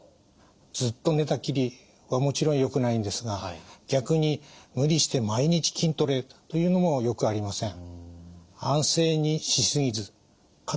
ずっと寝たきりはもちろんよくないんですが逆に無理して毎日筋トレというのもよくありません。